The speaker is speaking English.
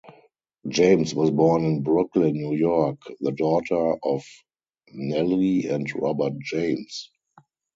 James was born in Brooklyn, New York, the daughter of Nellie and Robert James.